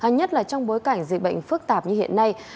nhất là trong bối cảnh dịch bệnh phức tạp như hiện nay